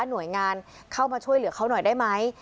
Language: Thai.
หน่วยงานเข้ามาช่วยเหลือเขาหน่อยได้ไหม